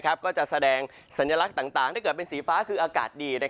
ก็จะแสดงสัญลักษณ์ต่างถ้าเกิดเป็นสีฟ้าคืออากาศดี